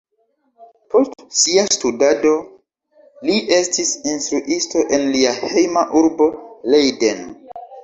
Post sia studado, li estis instruisto en lia hejma urbo Leiden.